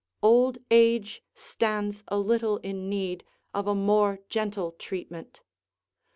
Old age stands a little in need of a more gentle treatment.